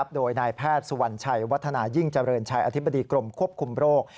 โดยนายแพทย์สุวรรณชัยวัฒนายิ่งเจริญชัยอธิบดีกรมควบคุมโรค